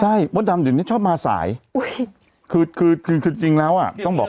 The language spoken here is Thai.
ใช่มดดำเดี๋ยวนี้ชอบมาสายอุ้ยคือคือจริงแล้วอ่ะต้องบอก